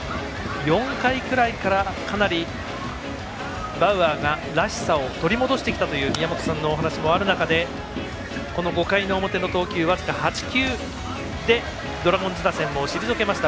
４回ぐらいからかなりバウアーがらしさを取り戻してきたという宮本さんのお話もある中でこの５回の表の投球、僅か８球でドラゴンズ打線を退けました